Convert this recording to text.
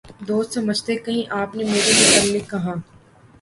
دوست سمجھے کہیں آپ نے میرے متعلق کہا